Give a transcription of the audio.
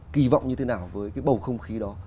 kỳ vọng như thế nào với cái bầu không khí đó